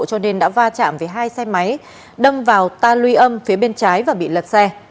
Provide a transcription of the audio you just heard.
cho nên đã va chạm với hai xe máy đâm vào ta luy âm phía bên trái và bị lật xe